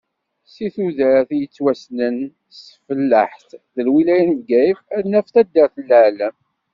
Seg tuddar i yettwassnen s tfellaḥt, di lwilaya n Bgayet, ad naf taddart n Laεlam.